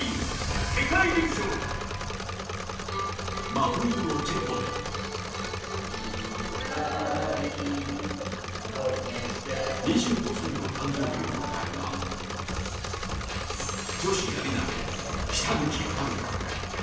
真冬のチェコで２５歳の誕生日を迎えた女子やり投北口榛花